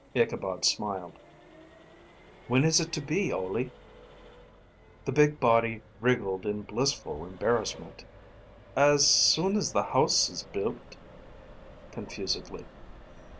Ichabod smiled. "When is it to be, Ole?" The big body wriggled in blissful embarrassment. "As soon as the house is built," confusedly.